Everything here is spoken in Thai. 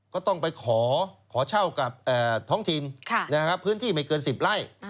ก็ต้องไปขอเช่ากับท้องถิ่นพื้นที่ไม่เกิน๑๐ไร่